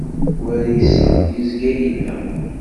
War iseɣ, yezga yelleɣ.